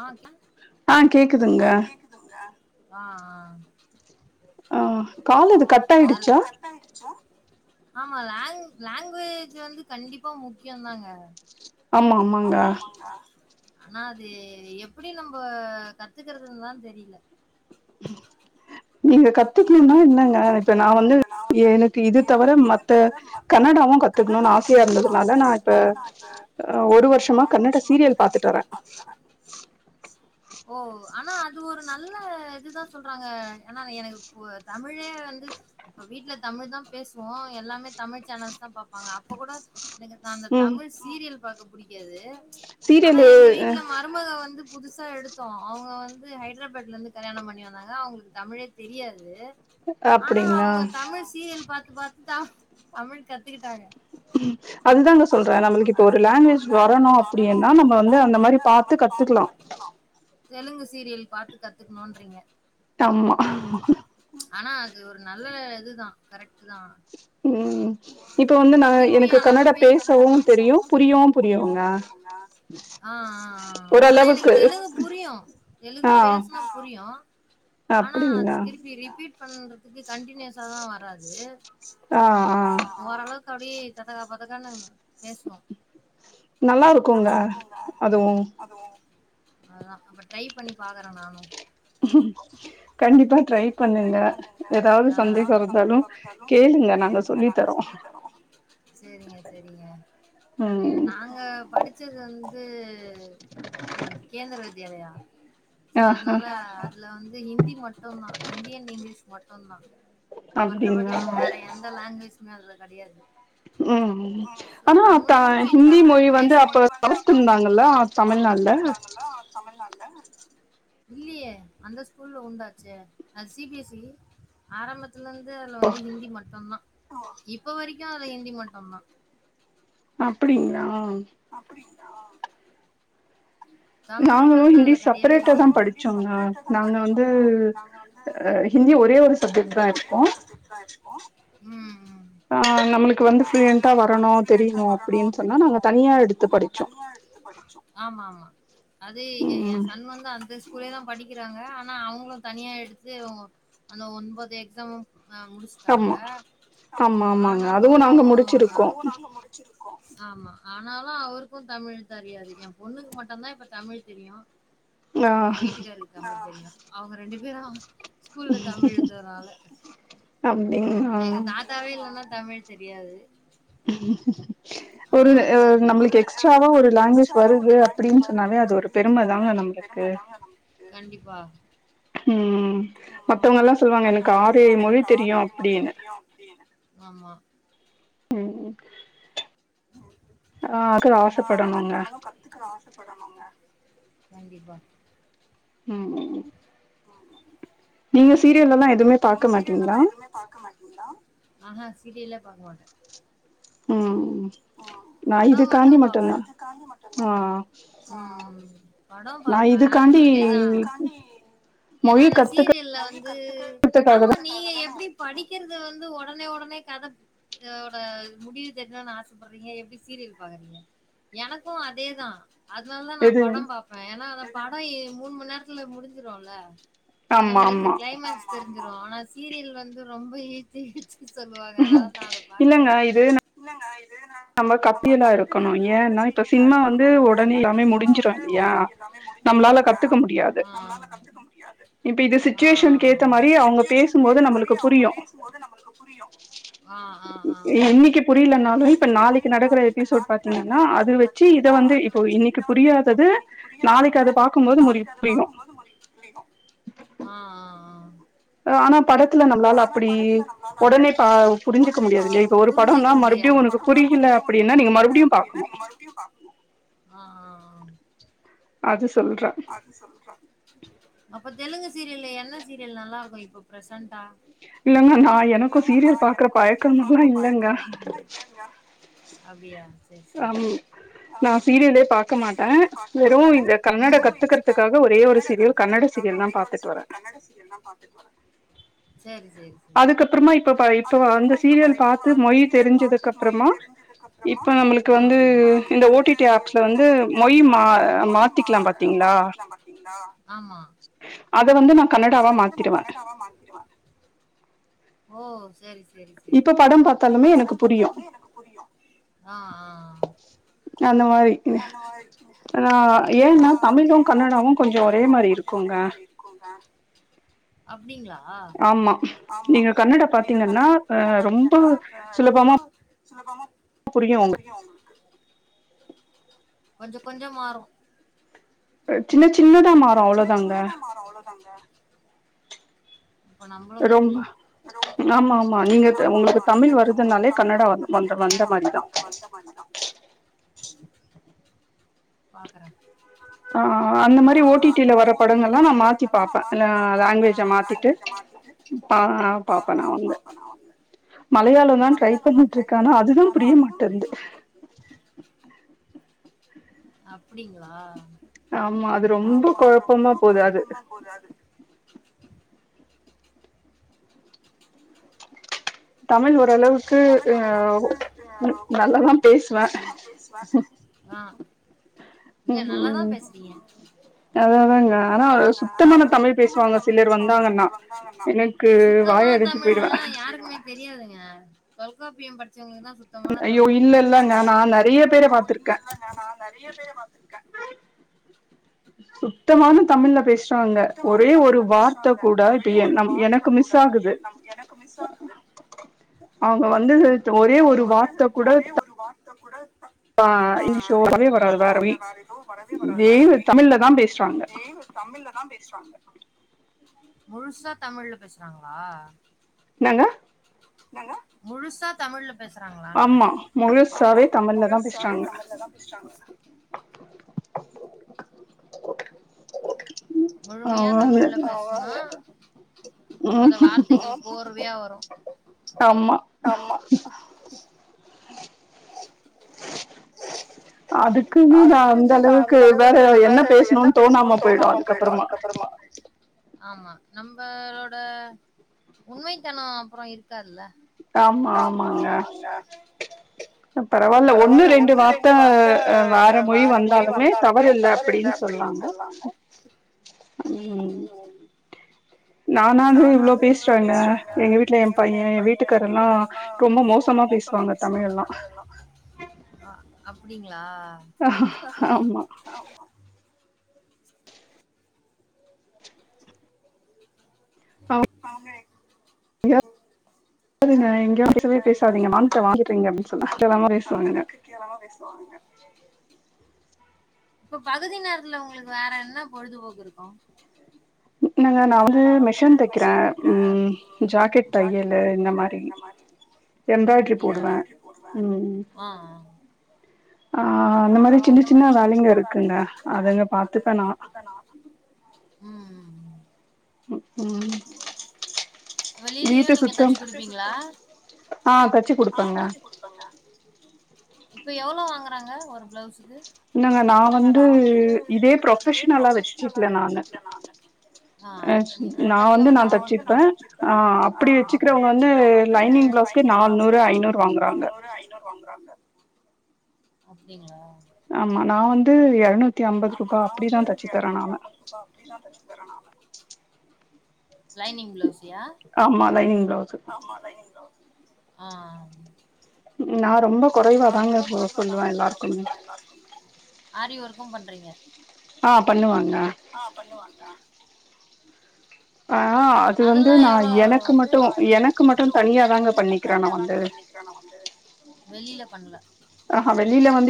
ஆஹ் [unintelligible] ஆஹ் கேக்குதுங்க ஆஹ் ஆஹ் ஆஹ் காலது கட் ஆயிடுச்சோ ஆமா லாங் லாங்குவேஜ் வந்து கண்டிப்பா முக்கியம் தாங்க ஆமா ஆமாங்க ஆனா அது இத எப்படி நம்ம கத்துக்கறதுன்னுதா தெரியல நீங்க கத்துக்கணும்னா என்னங்க இப்ப நா வந்து எனக்கு இது தவிர மத்த கன்னடாவும் கத்துக்கணும்னு ஆசையா இருந்ததுனால நா இப்பஹ ஒரு வருஷமா கன்னட சீரியல் பாத்துட்டுவறே ஆனா அது ஒரு நல்ல இதுதா சொல்றாங்க ஆனா எனக்கு பு தமிழே வந்து இப்ப வீட்ல தமிழ் தா பேசுவோம் எல்லாமே தமிழ் சேனல்ஸ் தா பாப்பாங்க அப்ப கூட எனக்கு அந்த தமிழ் சீரியல் பாக்க புடிக்காது ஆனா எங்க வீட்ல மருமக வந்து புதுசா எடுத்தோம் அவங்க வந்து ஹைதராபாத்ல இருந்து கல்யாணம் பண்ணி வந்தாங்க அவங்களுக்கு தமிழே தெரியாது ஆனா அவங்க தமிழ் சிரியல் பாத் பாத்துதா தமிழ் கத்துக்கிட்டாங்க அதுதாங்க சொல்றேன் நம்மளுக்கு இப்ப ஒரு லாங்குவேஜ் வரணும் அப்படின்னா நம்ம வந்து அந்த மாரி பாத்து கத்துக்கலாம் தெலுங்கு சீரியல் பாத்து கத்துக்கணுன்றீங்க ஆமா ஆனா அது ஒரு நல்ல இதுதா கரெக்ட் தா திருப்பியும் ஆனா பேசு ஆஹ் ஆஹ் ஆஹ் ஆனா எனக்கு தெலுங்கு புரியும் தெலுங்கு பேசுன புரியும் ஆனா திருப்பி ரீ மீட் பண்றதுக்கு கண்டினியுசாலம் வராது ஆ ஓரளவுக்கு அப்டியே ததக்கா புதக்காணு பேசுவோம் நல்லா இருக்கும்ங்க அதுவும் அதா அப்ப ட்ரை பண்ணி பாக்குறேன் நானும் உஹம் கண்டிப்பா ட்ரை பண்ணுங்க ஆ ஏதாவது சந்தேகம் இருந்தாலும் கேளுங்க நாங்க சொல்லி தரோம் சேரிங்க சேரிங்க நாங்க படிச்சது வந் து கு அந் கேந்திர வித் தியாலயா சோ அதனால அதுலாந் இந்தி மட்டும்தான் இந்தியன் இங் கிலிஷ் மட்டும் தா மற்றபடி வேற எந்த லாங்குவேஜ் அதுல கெடையாது உம் சோ தமிழ் வீட்ல பேசுவோ இல்லயே அந்தஸ்த் ஸ்கூல்ல உண்டாச்சு அது சி பி எஸ் இ ஆரம்பத்து அதுல இருந்து அதுல வந்து ஹிந்தி மட்டும்தான் இப்ப வரைக்கும் அதுலி ஹிந்தி மட்டும்தான் அப்படிங்களா அப்படிங் தமிழ் வந்து அதுல கிடையவே கெடையாது நாங்களம் இங்கிலீஷ் செப்பரேட்டா தான் படிச்சோம் ஆ நாங்க வந்து ஹிந்தி ஒரே ஒரு சப்ஜெக்ட்டு தா இருந் கும் உம் உம் ஆ நம்மளுக்கு வந்து ஃபுளுயண்ட்டா வரணும் தெரியணும் அப்படின்னு சொன்னா நம்ம தனியா எடுத்து படிச்சோம் ஆமா உம் ஆ அது ஏ என் சன் வந்து அந்த ஸ் கூலயே தான் படிக்கிறாங்க ஆனா அவங்களும் தனியாக எடுத்து அந்த ஒன்பது எக்ஸாமும் ஆஹ் முடிச்சுட்டாங்க ஆமா ஆனாலும் ஆமா ஆமாங்க அதுவும் நாங்க முடிச்சிருக்கோம் ஆமா ஆனாலும் அவருக்கும் தமிழ் தெரியாது யே பொண்ணுக்கு மட் ந்தான் இப்ப தமிழ் தெரியும் என் வீட்டுக்காரு இருக்காங்க ஆஹ் செரியா அவக ரெண்டு பேரும் ஸ்கூல்ல தமிழ் எதுதுனால எங்க தாத்தாவே இல்லன்னா தமிழ் தெரியாது ஒரு நம்மளுக்கு எக்ஸ்ட்ராவா ஒரு லாங்குவேஜ் வருது அப்படின்னு வருது அப்படின்னு சொன்னாலே அது ஒரு பெரும தாங்க நம்மளுக்கு கண்டிப்பா உம் மத்தவங்க எல்லாம் சொல்லுவாங்க எனக்கு ஆறு எழு மொழி தெரியும் அப்படின்னு ஆமா உம் ஆஹ் அந்த மாதிரி நம்மதான் கத்துக்க ஆசப்படணும்ங்க கண்டிப்பா ம் நீங்க ச ல்லாம் எதுவுமே பாக்க மாட்டீங்களா ஆஹஹா சீரியல்ல பாக்க மாட்டேன் படம் மட்டு பாப்பே படம் பாப்பே அதேதான் ஏன்னா அந்த சீரியல்ல வந்து ஆமா நீங்க எப்டி படிக்கிறது வந்து உடனே உடனே கத ஒட முடிவு தேரியணும ஆசைப்படுறீங்க எப்டி சீரியல் பாக்குறீங்க எனக்கூ அதேதான் அததுனாலதா நான் படம் பார்ப்பே ஏன்னா அதா படம் மணு மண் நேரத்துல முடிஞ்சிரல நம்மளுக்குளுக்கு கிளைமக்ஸ் ஆனா சீரியல் வந்து ரொம்ப [unintelligible] சொல்லுவாங்க அதனாலதான் அத பாக்கவே மாட்டே நம்ம கத்துக்கிறது வந்து சீரியலா இருக்கும்ப்ப சினிமா வந்து உடனே எல்லாமே முடிஞ்சா நம் கத்துக்க முடியாது ஆக ஆ ஆ ஆ ஆ கரக்ட் ஆ ஆ அப்ப தெலுங்கு சீரியல்ல என்ன சீரியல் நல்லா இரு இப்ப பிரசண்ட இல்லங்க நான் எனக்கூ சீரியல் பாக்குற பழக்கம்மல்லா இல்லங்க அப்பியா ஆஹம் நான் சீரியலே பார்க்க மாட்டே வெறும் இந்த கன்னட கத்துக்கறிறதுக்காக ஒரே ஒரு சீரியல் கன்னட சீரியல் தான் பாாரத்துட்டு வரே செரி செரி ஆ ஆ ஆமா கன்னடவா மாத்திருவே ஓ சேரி சேரி சேரி இப்ப படம் பார்த்தாலமே எனக்கு புரியு ஆ ஆ அந்த மாரி ஆன் ஏன்னா தமிழும் கன்னடாவும் கொஞ்சோ ஒரே மாரி இருக்குங்க அப்டிங்களா ஆமா நீங்க கண்ணட பாத்தீங்கன்னா ரொம்ப சுலபம புரியு உங்கள்க்கு கொஞ்சொ கொஞ்சொ மாறும் அ சின்னச்சின் சின்ன சின்னதா மாறு அவ்ளோதாங்க அப்ப நம்ளு கத்துக்குலா ரொம் ஆமா ஆமா நீங்க உங்கள்க்கு தமிழ் வருதுன்னாலே கன்னடா வந் வந்த மாதி தா பாக்குறே ஆஹ் அ அந்த மாரி ஓ டி டி ல வர படங்கள்லா நா மாத்தி பாப்பே ந லேங்வேஜ மாத்திட்டு பா பாப்பே நா வந்து மலையாளொதா ட்ரை பண்ணிட்ருக்க ஆனா அதுதா புரிய மாட்டேன்து அப்டிங்ளா ஆமா அது ரொம்பொ கொழப்பமா போது அது அ ஏ நல்லாதா பேசுதிக சுத்தமா தமிழுலா யாருங்க தெரியாதுங்க தொல்காப்பியம் பட் டிச்சவெங்களுக்குதா சுத்தமான தமிழ் தெரியு சுத்தமான தமிழ்ல பேசுறாங்க ஒரே ஒரு வார்த்த கூட இப்ப எ நம் எனக்கு மிஸ் ஆகுது அவங்க வந்து ஒரே ஒரு வார்த்த கூட த்த கூட ஆ இங்லீஷோ இல்ல வேற ஏதோ வரவே வராது வேற மொழி இதே தமிழ்லதா பேசுறாங்க முழுசா தமிழ்ல பேசுறாங்ளா நங்க முழுசா தமிழ்ல பேசுறாங்களான்ற முழுமையா தமிழ்ல பேசனா அத வார்த்தைகள் போர்வையா வரு ஆம்மா அதுக்குனு நா அந்த அளவுக்கு வேற என்ன பேசணுன் தோணாம பொயிடு அதுக்கப்றமா ஆமா நம்மளோட உண்மைத்தனொ அப்றொ இருக்கால்ல டாமா ஆமாங்க பரவால்ல ஒன்னு ரெண்டு வார்த்த வேற மொழி வந்தாலுமே தவறில்ல அப்டின் சொன்னாங்க ம் நானாது இவ்ளோ பேசுறங்க எங்க வீட்ல ஏ பைய ஏ வீட் டுக்காரல்லா ரொம்ப மோசமா பேசுவாங்க தமிழெல் ஆ அப்டிங் ளா அவங்க [unintelligible] எங்கயாவது தமிழ்நாடு அந்த அளவுக்கு கேவலமா பேசுவாங்க இப்ப பகுதி நேரத்துல உங்களுக்கு வேற என்ன பொழுதுபோக்கு இருக்கும் என் நா வந்து மிஷின் தைக்கிறே உம் ஜாக்கெட் தையலு இந்த மாரி எம்பிராய்டிங் போடுவேன் உம் உம் வெளிலயும் நீங்க தச்சு குடுப்பீங்களா இப்போ எவ்ளோ வாங்குறாங்க ஒரு பிளவுஸ் என்னங்க நா வந்து இதே ப்ரொபஷனலா வச்சிக்கல நானு ஆஹ் நா வந்து நான் தச்சிப்பேன் ஆஹ் அப்டி வச்சுக்கிறவங்க வந்து லைனிங் பிளவுஸ்க்கு நானூறு ஐநூறு வாங்குறாங்க அப்டிங்களா ஆமா நா வந்து இருநூற்றி ஐம்பது ரூபா அப்டிதா தச்சு தரேன் நானு லைனிங் பிளவுஸ்சைய ஆஹ் ஆரி ஒர்க் இப்பவும் பண்றீங்க ஆஹ் பண்ணுவாங்க அதல்லாம் எவ்ளோ வந்து வெளியில பண்ணல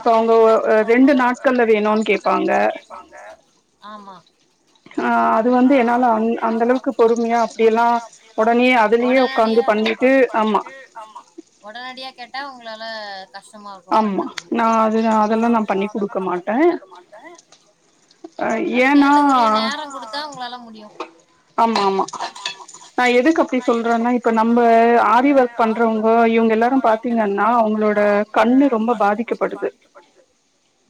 ஆஹ் வெளில வந்து இப்ப அவங்க ரெண்டு நாட்கள்ல வேணும்னு கேப்பாங்க அது வந்து என்னால அந்த அளவுக்கு பொறுமையா அப்படியெல்லாம் அதிலே உட்கார்ந்து பண்ணிட்டு ஆமா உங்களால கஷ்டமா இருக்கும் பண்றதுக்கு அதுக்கேத்த உரிய நேரம் கொடுத்தா உங்களால முடியும் ஆமா ஆமா நா எதுக்கு அப்டி சொல்றேன்னா இப்ப நம்ப ஆரி ஒர்க் பண்றவங்க இவங்க எல்லாரும் பாத்தீங்கன்னா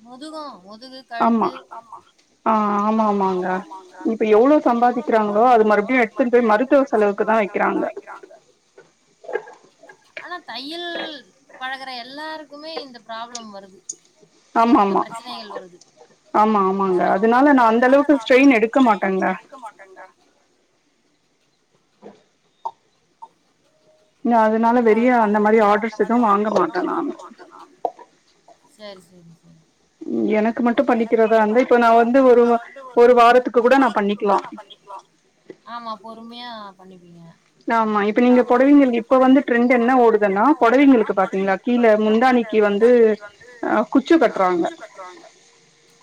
முதுகும் முதுகு கழுத்து ஆமா ஆனா தயில் பழகுற எல்லாருக்குமே இந்த ப்ராப்ளம் வருது இந்த பிரச்சனைகள் வருது நா அதனால வெறிய அந்த மாதிரி ஆர்டர்ஸ் எதுவும் வாங்க மாட்டன் நானு சரி சரிங் சரிங் எனக்கு மட்டு பண்ணிக்கராத இருந்து இப்ப நா வந்து ஒரு வா ஒரு வாரத்துக்கு கூட நா பண்ணிக்கலா ஆமா பொறுமையா பண்ணிப்பிங்க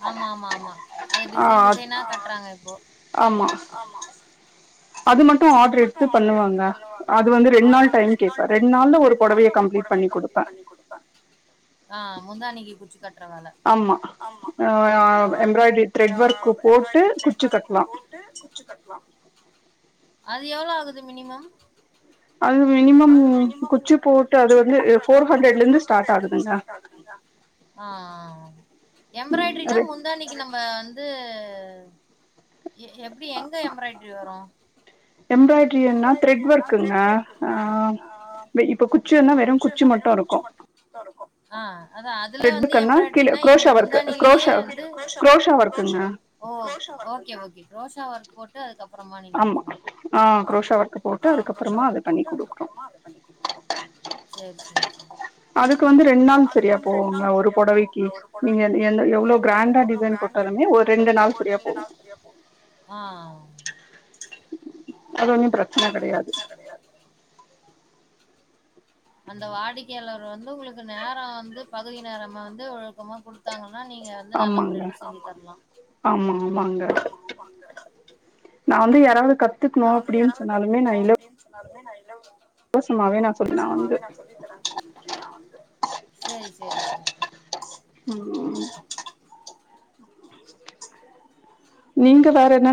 ஆமா ஆமா ஆமா அது டிசைன் டிசைனா கட்றாங்க இப்போ ஆமா க்கு ஆட்ரேட் அ முந்தானைக்கு குச்சு கட்ற வே வேல ஆமா ஆஹ் எம்பிராய்டிங் திரட் ஒர்க்கு போட்டு குச்சு கட்டுவாங்க அது எவ்ளோ ஆகுது மினிமம் அது மினிமம் குச்சு போட்டு அது வந்து ஃபோர் ஹண்டர்ட்ல இருந்து ஸ்டார்ட் ஆகுதுங்க ஆஹ் எம்பராய்டிரினா முந்தாணிக்கு நம்ம வந்து எ எப்டி எங்க எம்ப்ராய்டரி வரு ஆஹ் அதான் அதுல வந்து எம்ப்ராய்டிரினா எங்க முந்தாணியிலே வந்து ஓ ஓகே ஓகே குரோஷா ஒர்க் போட்டு அதுக்கப் ப்பறமா நீங் சரி அதுக்கு வந்து ரெண்டு நாள் சரியா போகுங்க ஒரு பொடவைக்கு நீங்க எள் எவ்ளோ க்ராண்டா டிசைன் போட்டாலுமே ஒரு ரெண்டு நாள் ஆஹ் அது ஒன்னும் பிரச்சன கெடையாது அந்த வாடிக்கையாளர் வந்து உங்களுக்கு நேரொ வந்து பகுதி நேரமா வந்து ஒழுக்கமா குடுத்தாங்க னா நீங்க வந்து நல்ல முறையில ஆமா செஞ்சு தரலா ஆமா ஆமாங்க கத்துக்கணு அப்டின்னு சொன்னாலுமே நா இல்ல னாலுமே நா இல்ல சும்மாவே நா சொல்லி தரேன் நா வந்து சரி சரி சரி நீங்க வேற என்னன்